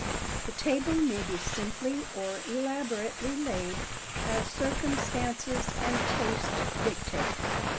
The table may be simply or elaborately laid, as circumstances and taste dictate.